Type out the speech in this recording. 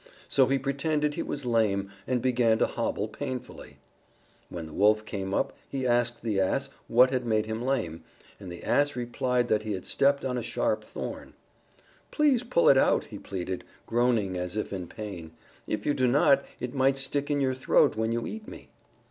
So he pretended he was lame, and began to hobble painfully. When the Wolf came up, he asked the Ass what had made him lame, and the Ass replied that he had stepped on a sharp thorn. "Please pull it out," he pleaded, groaning as if in pain. "If you do not, it might stick in your throat when you eat me."